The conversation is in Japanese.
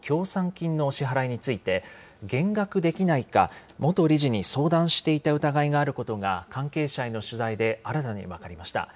金の支払いについて、減額できないか、元理事に相談していた疑いがあることが関係者への取材で新たに分かりました。